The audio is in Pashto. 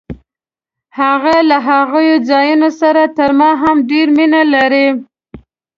هغه له هغو ځایونو سره تر ما هم ډېره مینه لري.